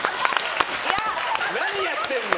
何やってんの！